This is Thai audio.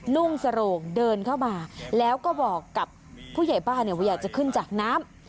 นุ่งสโรงเดินเข้ามาแล้วก็บอกกับผู้ใหญ่บ้านว่าอยากจะขึ้นจากน้ำ